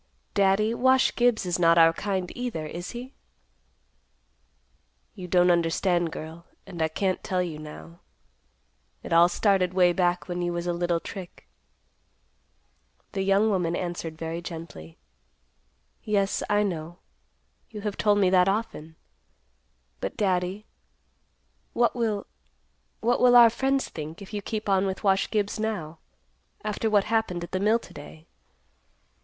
Daddy, Wash Gibbs is not our kind either, is he?" "You don't understand, girl, and I can't tell you now. It all started way back when you was a little trick." The young woman answered very gently, "Yes, I know. You have told me that often. But, Daddy, what will—what will our friends think, if you keep on with Wash Gibbs now, after what happened at the mill to day?